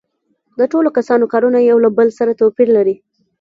د ټولو کسانو کارونه یو له بل سره توپیر لري